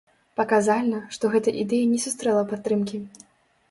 Паказальна, што гэта ідэя не сустрэла падтрымкі.